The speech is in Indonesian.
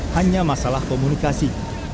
hanya masalah komunikasi